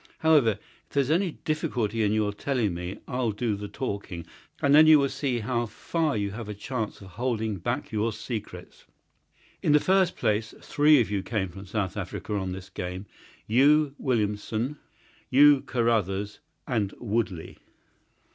However, if there's any difficulty in your telling me I'll do the talking, and then you will see how far you have a chance of holding back your secrets. In the first place, three of you came from South Africa on this game—you Williamson, you Carruthers, and Woodley."